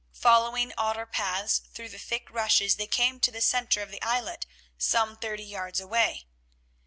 Following otter paths through the thick rushes they came to the centre of the islet, some thirty yards away.